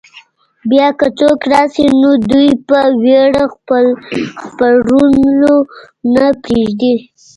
بیا که څوک راشي نو دوی په وېره خپرولو نه پرېږدي.